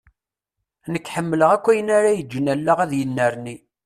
Nekk ḥemmleɣ akk ayen ara iǧǧen allaɣ ad yennerni.